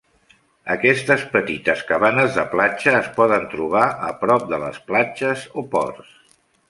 Aquestes petites cabanes de platja es poden trobar a prop de les platges o ports.